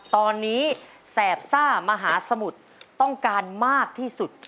ตอนนี้แสบซ่ามหาสมุทรต้องการมากที่สุด